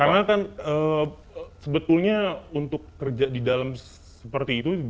karena kan sebetulnya untuk kerja di dalam seperti itu